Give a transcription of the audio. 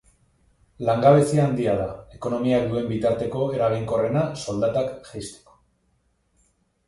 Langabezia handia da ekonomiak duen bitarteko eraginkorrena soldatak jaisteko.